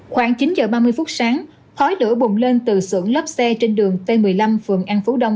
khoảng chín giờ ba mươi phút sáng khói lửa bùng lên từ xưởng lốp xe trên đường t một mươi năm phường an phú đông